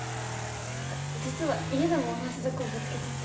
実は家でも同じとこぶつけちゃって。